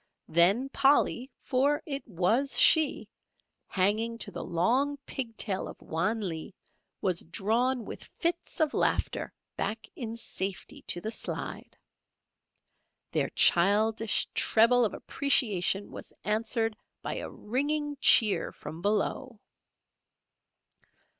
Then Polly for it was she hanging to the long pig tail of Wan Lee, was drawn with fits of laughter back in safety to the slide. Their childish treble of appreciation was answered by a ringing cheer from below.